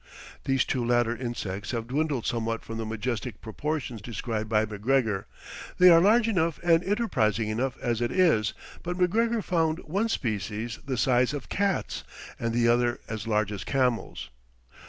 These two latter insects have dwindled somewhat from the majestic proportions described by McGregor; they are large enough and enterprising enough as it is; but McGregor found one species the size of "cats," and the other "as large as camels."